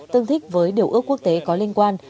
tương thích với điều ước quốc tế có liên quan